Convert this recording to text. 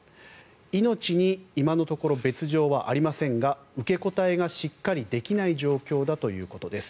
命に今のところ別条はありませんが受け答えがしっかりできない状況だということです。